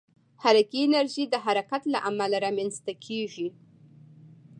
حرکي انرژي د حرکت له امله رامنځته کېږي.